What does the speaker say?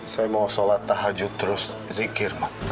saya mau sholat tahajud terus zikir